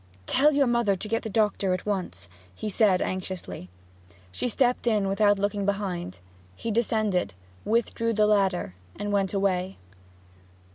'Tell your mother to get the doctor at once!' he said anxiously. She stepped in without looking behind; he descended, withdrew the ladder, and went away.